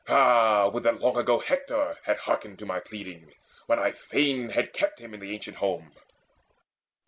Ah, would that long ago Hector had hearkened to my pleading, when I fain had kept him in the ancient home!"